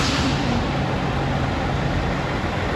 পরের দুই মৌসুমে চার শতাধিক প্রথম-শ্রেণীর রান সংগ্রহ করেন।